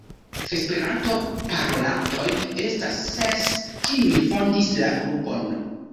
Esperanto parolantoj estas ses, kiuj fondis la grupon.